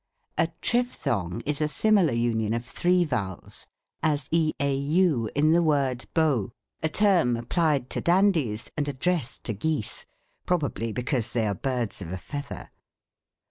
A tripthong is a similar union of three vowels, as eau in the word beau ; a term applied to dandies, and addressed to geese : probably because they are bix'ds of a feather.